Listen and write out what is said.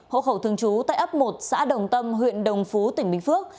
hộ khẩu thường trú tại ấp một xã đồng tâm huyện đồng phú tỉnh bình phước